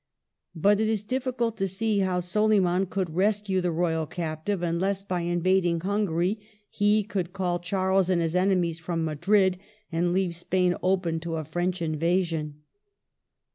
But it is difficult to see how Soliman c^ )uld rescue the royal captive, unless by invading Hungary he could call Charles and his armies from Madrid, and leave Spain, open to a French invasion.